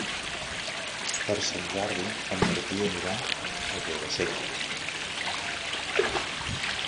Per Sant Jordi en Martí anirà a Guadasséquies.